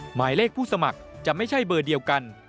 หมายเลขผู้สมัครจะไม่ใช่เบอร์เดียวกัน